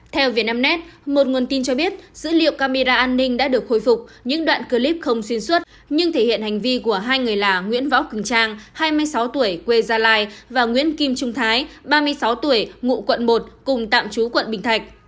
theo việt nam net một nguồn tin cho biết dữ liệu camera an ninh đã được khôi phục những đoạn clip không xuyên suốt nhưng thể hiện hành vi của hai người là nguyễn võ cường trang hai mươi sáu tuổi quê gia lai và nguyễn kim trung thái ba mươi sáu tuổi ngụ quận một cùng tạm trú quận bình thạnh